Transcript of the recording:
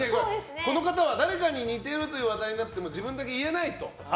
この方は、誰かに似てるという話題になっても自分だけ言えないと。